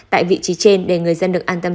tại vị trí trên để người dân được an tâm